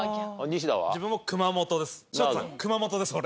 熊本です俺。